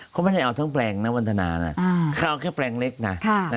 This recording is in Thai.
เขาไม่ได้เอาทั้งแปลงนะวันทนานะเขาเอาแค่แปลงเล็กนะ